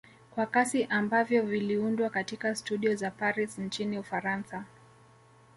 Kwa kasi ambavyo viliundwa katika studio za Paris nchini Ufaransa